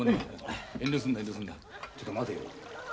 ちょっと待てよ。